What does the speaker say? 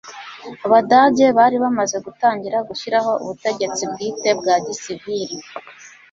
abadage bari bamaze gutangira gushyiraho ubutegetsi bwite bwa gisiviri